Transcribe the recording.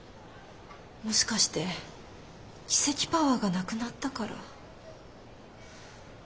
もしかしてキセキパワーがなくなったから？